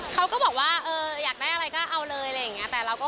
เขาก็บอกว่าอยากได้อะไรก็เอาเลยแต่เราก็คงไม่เยอะขนาดนั้นนะคะ